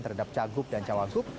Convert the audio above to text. terhadap cagup dan cawagup